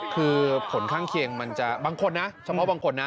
คือผลข้างเคียงมันจะบางคนนะเฉพาะบางคนนะ